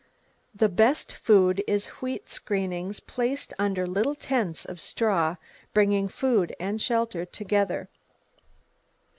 The best food is wheat screenings placed under little tents of straw, bringing food and shelter together.